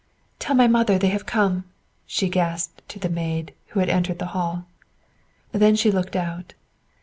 "Tell my mother they have come," she gasped to the maid, who had entered the hall. Then she looked out.